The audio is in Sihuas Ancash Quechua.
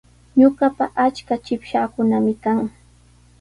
Ñuqapa achka chikpashaakunami kan.